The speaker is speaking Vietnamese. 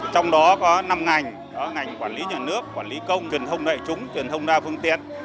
trong đó có năm ngành đó ngành quản lý nhà nước quản lý công truyền thông đại chúng truyền thông đa phương tiện